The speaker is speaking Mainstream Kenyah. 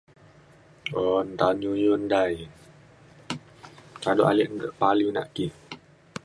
un ta iu iu dai. kado ale de paliu nak ki.